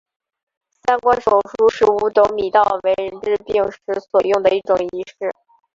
三官手书是五斗米道为人治病时所用的一种仪式。